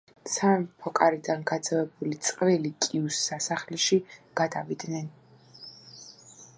სამეფო კარიდან გაძევებული წყვილი კიუს სასახლეში გადავიდნენ.